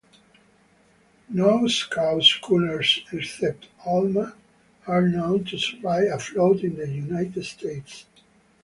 No scow schooners except "Alma" are known to survive afloat in the United States.